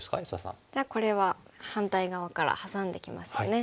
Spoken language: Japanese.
じゃあこれは反対側からハサんできますよね。